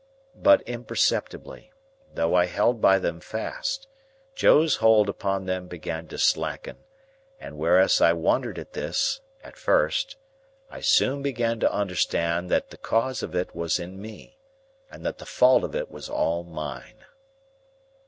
But, imperceptibly, though I held by them fast, Joe's hold upon them began to slacken; and whereas I wondered at this, at first, I soon began to understand that the cause of it was in me, and that the fault of it was all mine.